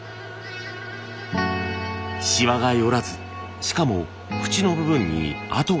シワが寄らずしかもフチの部分にあとが残らない。